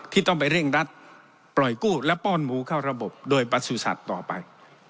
ที่ต้องไปเร่งรัดปล่อยกู้และป้อนหมูเข้าระบบโดยประสุทธิ์ต่อไป